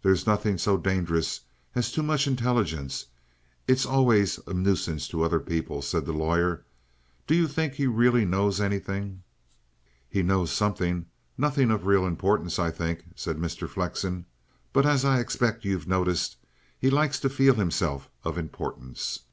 "There's nothing so dangerous as too much intelligence. It's always a nuisance to other people," said the lawyer. "Do you think he really knows anything?" "He knows something nothing of real importance, I think," said Mr. Flexen. "But, as I expect you've noticed, he likes to feel himself of importance.